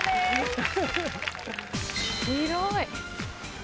広い。